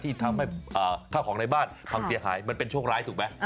ที่ทำให้ข้าวของในบ้านพังเสียหายมันเป็นโชคร้ายถูกไหม